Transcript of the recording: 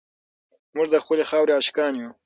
موږ د خپلې خاورې عاشقان یو.